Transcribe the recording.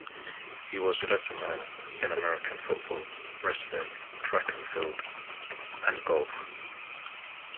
He was a letterman in American football, wrestling, track and field, and golf.